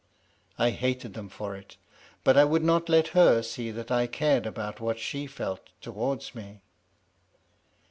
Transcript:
I hated them for it, but I would not let her see that I cared about what she felt towards me.